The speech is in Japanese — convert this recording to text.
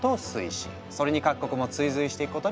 それに各国も追随していくことになったんだ。